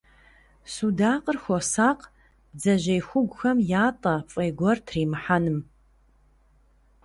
Судакъыр хуосакъ бдзэжьей хугухэм ятӀэ, фӀей гуэр тримыхьэным.